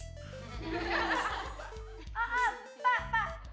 pak pak pak